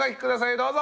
どうぞ！